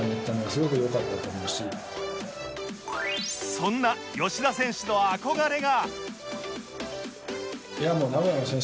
そんな吉田選手の憧れが